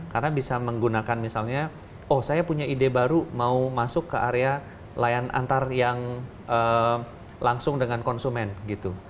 karena bisa menggunakan misalnya oh saya punya ide baru mau masuk ke area layan antar yang langsung dengan konsumen gitu